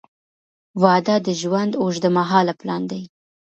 • واده د ژوند اوږدمهاله پلان دی.